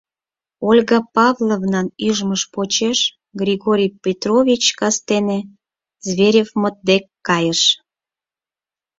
Ольга Павловнан ӱжмыж почеш Григорий Петрович кастене Зверевмыт дек кайыш.